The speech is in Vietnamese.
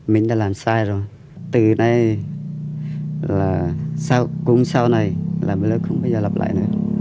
mình đã làm sai rồi từ nay là cũng sau này là mình không bao giờ lặp lại nữa